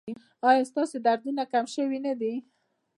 ایا ستاسو دردونه کم شوي نه دي؟